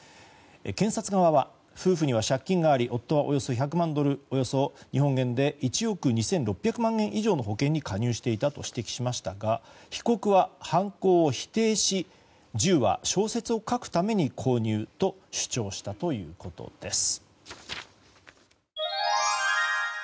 検察側は夫婦には借金があり夫はおよそ１００万ドルおよそ日本円で１億２６００万円以上の保険に加入していたと指摘しましたが被告は犯行を否定し銃は小説を書くために購入と主張したということです。